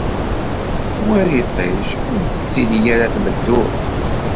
War iṭij, ur tettili ara tmeddurt.